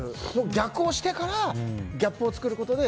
逆をしてからギャップを作ることで。